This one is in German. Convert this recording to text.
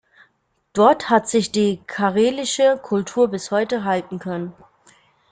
Dort hat sich die karelische Kultur bis heute halten können.